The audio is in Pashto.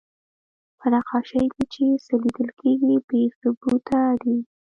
په نقاشۍ کې چې څه لیدل کېږي، بې ثبوته دي.